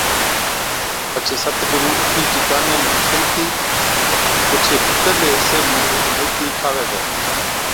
پڇي ست گُرُو اُٺِيچ ڪاني نُون ڇلتِي اوڇي ڀِيترلَي حصي مُون ھيڪ مُورتِي ٺاھوَي ڇَي